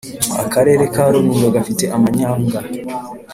- akarere ka rulindo gafite amanyanga